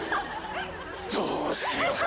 どうしようかな。